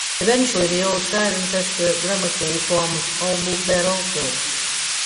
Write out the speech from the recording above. Eventually the old Cirencester Grammar School forms all moved there, also.